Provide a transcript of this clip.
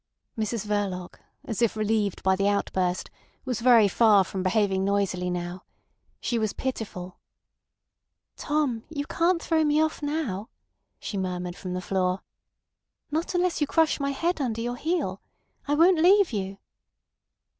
Mrs Verloc, as if relieved by the outburst, was very far from behaving noisily now. She was pitiful. "Tom, you can't throw me off now," she murmured from the floor. "Not unless you crush my head under your heel. I won't leave you."